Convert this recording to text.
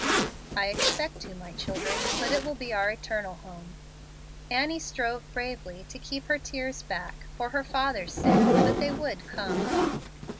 "I expect to, my children, but it will be our eternal home." Annie strove bravely to keep her tears back, for her father's sake, but they would come.